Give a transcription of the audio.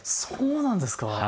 そうなんですか。